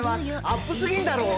アップ過ぎんだろ！